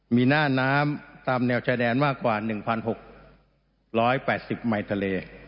มีหน้าน้ำตามแนวชายแดนมากกว่า๑๖๘๐ไมค์ทะเล